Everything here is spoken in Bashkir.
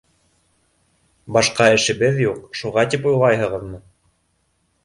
Башҡа эшебеҙ юҡ, шуға тип уйлайһығыҙмы?